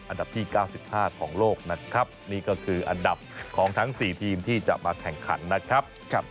อันดับที่๙๕ของโลกนะครับนี่ก็คืออันดับของทั้ง๔ทีมที่จะมาแข่งขันนะครับ